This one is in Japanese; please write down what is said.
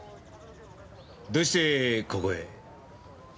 どうしてここへ？